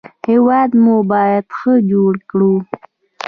هېواد مو باید ښه جوړ کړو